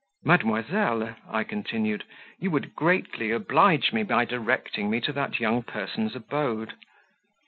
"Mademoiselle," I continued, "you would greatly oblige me by directing me to that young person's abode."